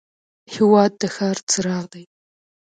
هېواد د ښار څراغ دی.